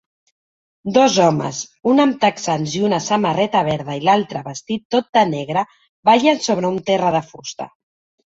Dos homes, un amb texans i una samarreta verda i l'altre vestit tot de negre, ballen sobre un terra de fusta